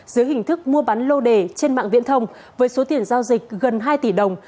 dưới hình thức mua bán lô đề trên mạng viễn thông với số tiền giao dịch gần hai tỷ đồng